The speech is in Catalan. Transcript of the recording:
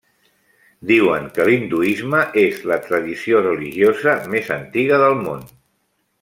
Diuen que l'hinduisme és la tradició religiosa més antiga del món.